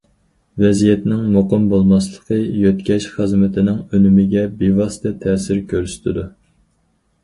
ۋەزىيەتنىڭ مۇقىم بولماسلىقى يۆتكەش خىزمىتىنىڭ ئۈنۈمىگە بىۋاسىتە تەسىر كۆرسىتىدۇ.